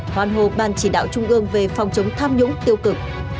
hoàn hồ ban chỉ đạo trung ương về phòng chống tham nhũng tiêu cực